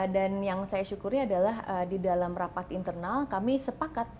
dan yang saya syukuri adalah di dalam rapat internal kami sepakat